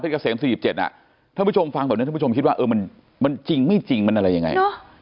เกษม๔๗ท่านผู้ชมฟังแบบนี้ท่านผู้ชมคิดว่ามันจริงไม่จริงมันอะไรยังไง